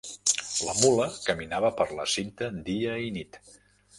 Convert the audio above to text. La mula caminava per la cinta dia i nit.